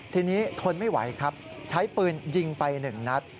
ทีนี้ทนไม่ไหวครับใช้ปืนยิงไป๑นัด